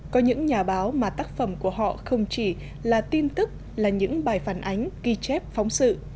có những nhà báo mà tác phẩm của họ không chỉ là tin tức là những bài phản ánh ghi chép phóng sự